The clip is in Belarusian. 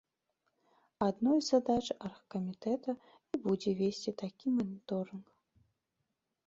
Адной з задач аргкамітэта і будзе весці такі маніторынг.